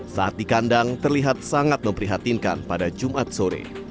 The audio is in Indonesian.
saat dikandang terlihat sangat memprihatinkan pada jumat sore